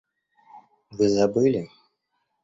Вы забыли?